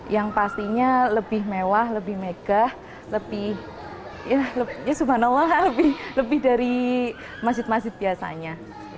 yang pastinya lebih mewah lebih megah lebih ya subhanallah lebih dari masjid masjid biasanya